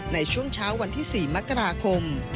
ในช่วงเช้าวันที่๔มกราคม